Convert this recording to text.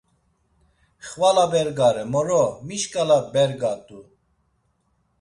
Xvala bergare moro, mi şkala bergat̆u!